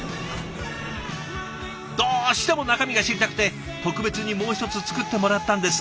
どうしても中身が知りたくて特別にもう一つ作ってもらったんです。